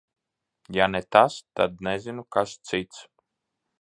Ja ne tas, tad nezinu, kas cits.